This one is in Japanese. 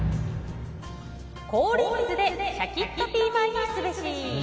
氷水でシャキッとピーマンにすべし。